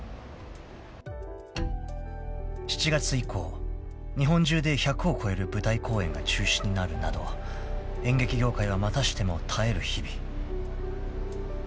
［７月以降日本中で１００を超える舞台公演が中止になるなど演劇業界はまたしても耐える日々］